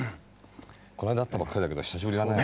こないだ会ったばっかりだけど久しぶりだね。